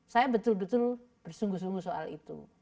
saya betul betul bersungguh sungguh soal itu